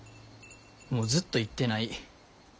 もうずっと行ってない。